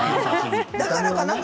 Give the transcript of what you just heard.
だからか。